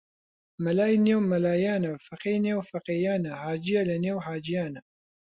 مەلای نێو مەلایانە فەقێی نێو فەقێیانە حاجیە لە نێو حاجیانە